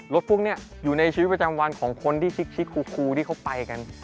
รถพวกนี้อยู่ในชีวิตประจำวันของคนที่ชิกครูที่เขาไปกัน